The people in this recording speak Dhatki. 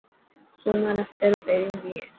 سومر هفتي رو پهريون ڏينهن هي.